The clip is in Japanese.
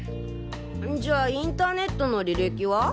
じゃあインターネットの履歴は？